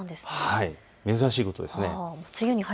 珍しいことですね。